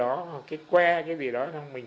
hoặc cái que hay cái gì đó